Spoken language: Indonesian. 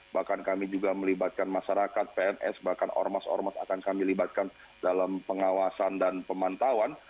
bahkan kami juga melibatkan masyarakat pns bahkan ormas ormas akan kami libatkan dalam pengawasan dan pemantauan